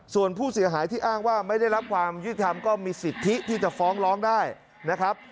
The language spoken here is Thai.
ส่วนผู้เสียหายที่อ้างว่าไม่ได้รับความยุติธรรมก็มีสิทธิที่จะฟ้องร้องได้นะครับ